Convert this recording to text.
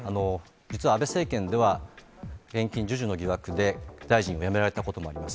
実は安倍政権では、年金授受の疑惑で大臣を辞められたこともあります。